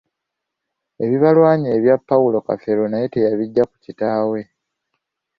Ebibalwanya ebya Paulo Kafeero naye teyabiggya ku kitaawe.